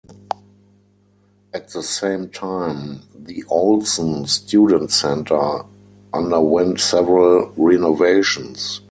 At the same time, the Olsen Student Center underwent several renovations.